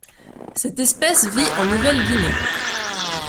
Cette espèce vit en Nouvelle-Guinée.